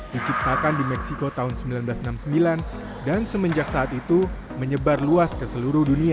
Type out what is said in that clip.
diciptakan di meksiko tahun seribu sembilan ratus enam puluh sembilan dan semenjak saat itu menyebar luas ke seluruh dunia